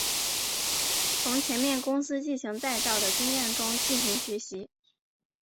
从前面公司进行再造的经验中进行学习。